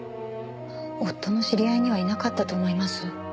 夫の知り合いにはいなかったと思います。